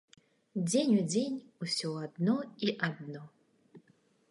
Дзень у дзень усё адно і адно.